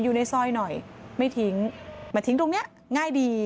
อยู่ในซอยหน่อยไม่ทิ้งมาทิ้งตรงนี้ง่ายดี